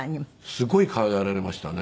すごい可愛がられましたね。